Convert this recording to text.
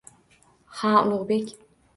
— Ha, Ulugʻbek.